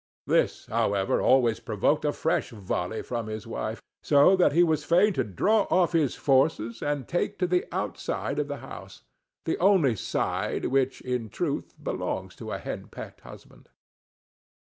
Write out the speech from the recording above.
This, however, always provoked a fresh volley from his wife; so that he was fain to draw off his forces,[Pg 5] and take to the outside of the house—the only side which, in truth, belongs to a hen pecked husband.